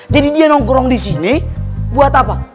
jadi dia nongkrong disini buat apa